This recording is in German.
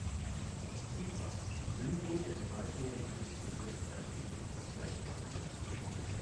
Ziel war die Bündelung der Verwaltung und Flugziele, da diese fast gleich waren.